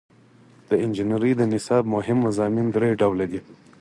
د انجنیری د نصاب مهم مضامین درې ډوله دي.